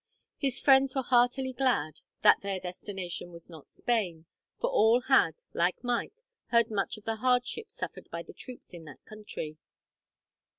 His friends were heartily glad that their destination was not Spain, for all had, like Mike, heard much of the hardships suffered by the troops in that country.